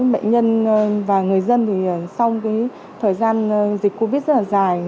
bệnh nhân và người dân sau thời gian dịch covid rất dài